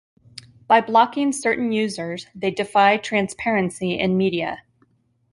By blocking certain users, they defy transparency in media.